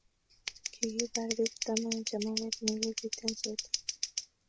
kikipar pik taman en chemarket nekipit en sotik